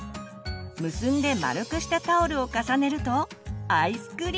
結んで丸くしたタオルを重ねるとアイスクリーム。